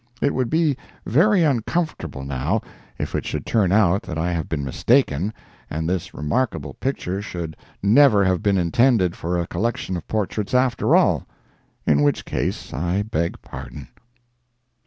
It would be very uncomfortable, now, if it should turn out that I have been mistaken, and this remarkable picture should never have been intended for a collection of portraits, after all—in which case I beg pardon.